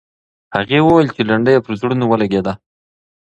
هغې وویل چې لنډۍ یې پر زړونو ولګېده.